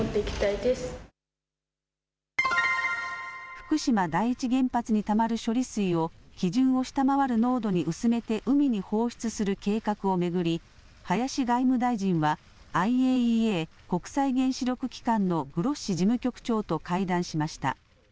福島第一原発にたまる処理水を基準を下回る濃度に薄めて海に放出する計画を巡り林外務大臣はＩＡＥＡ・国際原子力機関のグロッシ事務局長と会談しました。